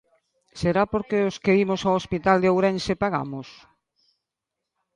¿Será porque os que imos ao hospital de Ourense pagamos?